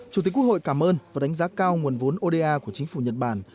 chủ tịch quốc hội cảm ơn và đánh giá cao nguồn vốn oda của chính phủ nhật bản